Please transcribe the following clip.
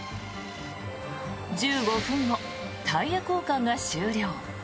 １５分後、タイヤ交換が終了。